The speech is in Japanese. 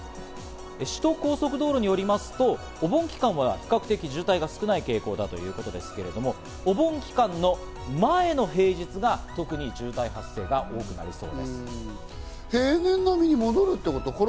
首都高速道路によりますと、お盆期間は比較的、渋滞が少ない傾向なんだということですけれども、お盆期間の前の平日が特に渋滞が多くなりそうだということです。